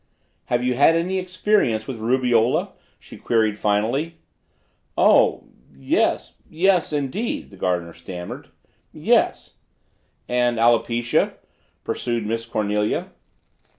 "Have you had any experience with rubeola?" she queried finally. "Oh, yes yes yes, indeed," the gardener stammered. "Yes." "And alopecia?" pursued Miss Cornelia.